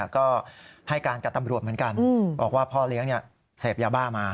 ก็ให้การกับตำรวจเหมือนกันบอกว่าพ่อเลี้ยงเสพยาบ้ามา